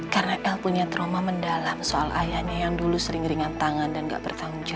karena el punya trauma mendalam soal ayahnya yang dulu sering ringan tangan dan gak bertanggung jawab